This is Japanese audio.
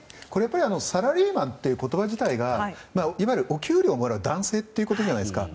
サラリーマンという言葉自体がいわゆるお給料をもらう男性ってことじゃないですか。